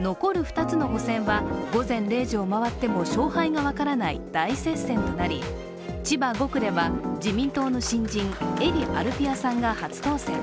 残る２つの補選は、午前０時を回っても勝敗が分からない大接戦となり千葉５区では自民党の新人英利アルフィヤさんが初当選。